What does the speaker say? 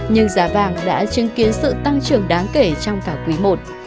nhưng giá vàng đã chứng kiến sự tăng trưởng đáng kể trong cả quý i